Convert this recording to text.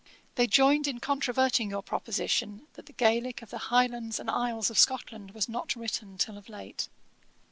They joined in controverting your proposition, that the Gaelick of the Highlands and Isles of Scotland was not written till of late.'